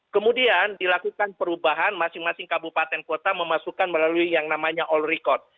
kemudian dilakukan perubahan masing masing kabupaten kota memasukkan melalui yang namanya all record